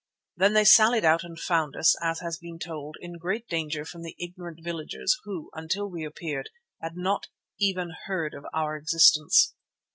Then they sallied out and found us, as has been told, in great danger from the ignorant villagers who, until we appeared, had not even heard of our existence.